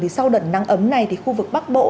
sau đợt nắng ấm này thì khu vực bắc bộ